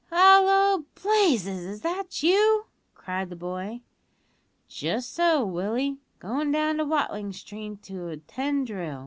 "Hallo, Blazes! is that you?" cried the boy. "Just so, Willie; goin' down to Watling Street to attend drill."